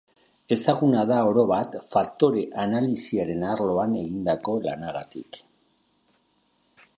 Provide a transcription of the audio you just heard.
Ezaguna da, orobat, faktore analisiaren arloan egindako lanagatik.